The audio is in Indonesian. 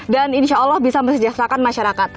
dan insya allah bisa mesejahterakan masyarakat